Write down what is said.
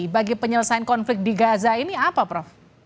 bagi penyelesaian konflik di gaza ini apa prof